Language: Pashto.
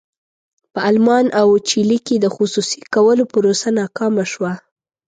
په المان او چیلي کې د خصوصي کولو پروسه ناکامه شوه.